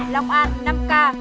lòng an năm ca